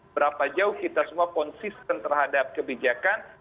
berapa jauh kita semua konsisten terhadap kebijakan